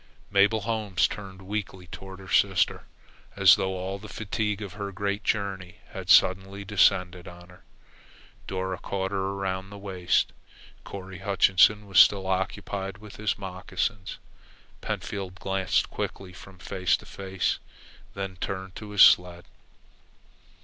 Mabel Holmes turned weakly toward her sister, as though all the fatigue of her great journey had suddenly descended on her. Dora caught her around the waist. Corry Hutchinson was still occupied with his moccasins. Pentfield glanced quickly from face to face, then turned to his sled.